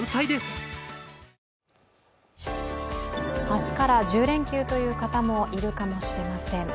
明日から１０連休という方もいるかもしれません。